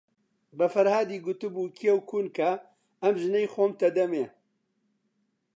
بە فەرهادی گوتووە کێو کون کە، ئەم ژنەی خۆمتە ئەدەمێ؟